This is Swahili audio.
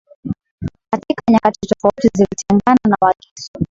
Katika nyakati tofauti zilitengana na Wagisu